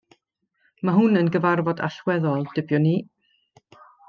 Mae hwn yn gyfarfod allweddol, dybiwn i.